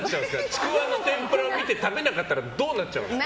ちくわの天ぷらを見て食べなかったらどうなっちゃうんですか。